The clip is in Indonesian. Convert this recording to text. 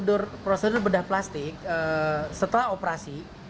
jadi kalau prosedur bedah plastik setelah operasi